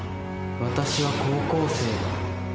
私は高校生だ。